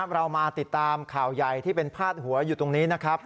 เรามาติดตามข่าวใหญ่ที่เป็นพาดหัวอยู่ตรงนี้นะครับ